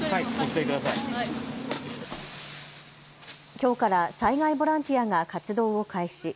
きょうから災害ボランティアが活動を開始。